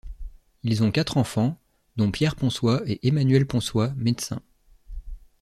Ils ont quatre enfants, dont Pierre Ponsoye et Emmanuel Ponsoye, médecin.